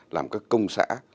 làm các công xã